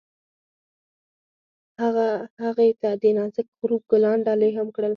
هغه هغې ته د نازک غروب ګلان ډالۍ هم کړل.